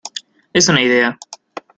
es una idea.